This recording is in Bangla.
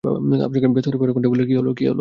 ব্যস্ততায় ভরা কণ্ঠে বললেন, কি হল,!